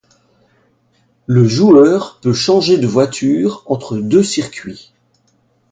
Le joueur peut changer de voiture entre deux circuits.